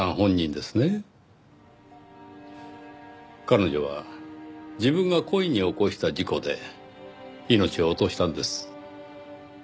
彼女は自分が故意に起こした事故で命を落としたんです。